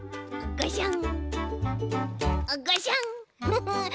ガシャン。